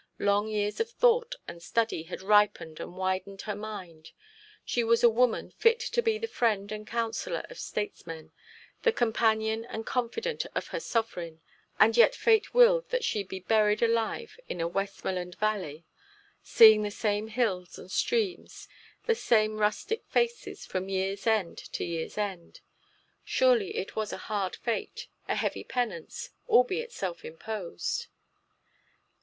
Long years of thought and study had ripened and widened her mind. She was a woman fit to be the friend and counsellor of statesmen, the companion and confidant of her sovereign: and yet fate willed that she should be buried alive in a Westmoreland valley, seeing the same hills and streams, the same rustic faces, from year's end to year's end. Surely it was a hard fate, a heavy penance, albeit self imposed.